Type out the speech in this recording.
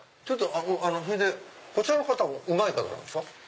それでこちらの方うまい方なんですか？